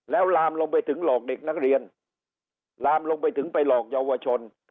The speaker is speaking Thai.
แล้วลามลงไปถึงหลอกเด็กนักเรียนลามลงไปถึงไปหลอกเยาวชน